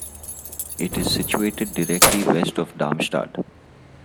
It is situated directly west of Darmstadt.